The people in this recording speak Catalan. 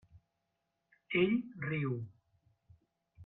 Ell riu.